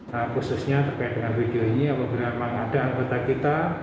nah khususnya terkait dengan video ini apabila memang ada anggota kita